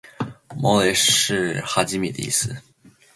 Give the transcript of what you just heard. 猫雷是哈基米的意思